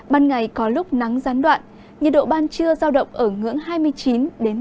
ban ngày có lúc nắng gián đoạn nhiệt độ ban trưa giao động ở ngưỡng hai mươi chín ba mươi